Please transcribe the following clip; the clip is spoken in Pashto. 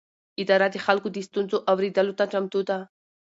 اداره د خلکو د ستونزو اورېدلو ته چمتو ده.